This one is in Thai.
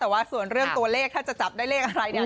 แต่ว่าส่วนเรื่องตัวเลขถ้าจะจับได้เลขอะไรเนี่ย